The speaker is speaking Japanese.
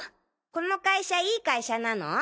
この会社いい会社なの？